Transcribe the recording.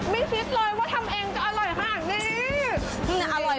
คิดเลยว่าทำเองจะอร่อยขนาดนี้